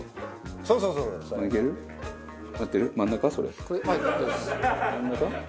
そうそうそうそう。